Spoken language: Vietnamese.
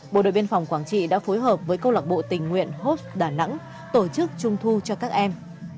bộ đội biên phòng quảng trị đã phối hợp với câu lạc bộ tình nguyện hep đà nẵng tổ chức trung thu cho các em